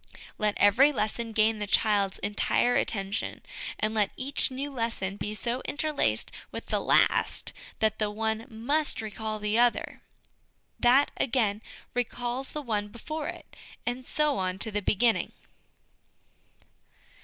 Let every lesson gain the child's entire attention, and let each new lesson be so interlaced with the last that the one must recall the other ; that, again, recalls the one before it, and so on to the beginning.